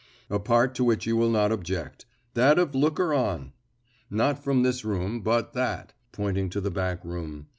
"A part to which you will not object, that of looker on. Not from this room, but that" pointing to the back room.